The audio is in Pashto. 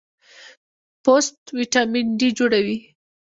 پوست وټامین ډي جوړوي.